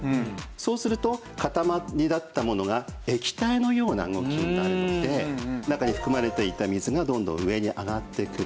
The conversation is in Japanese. そうすると塊だったものが液体のような動きになるので中に含まれていた水がどんどん上に上がってくる。